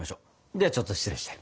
ではちょっと失礼して。